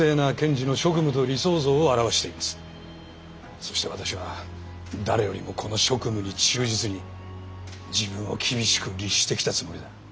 そして私は誰よりもこの職務に忠実に自分を厳しく律してきたつもりだ。